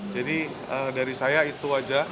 jadi dari saya itu aja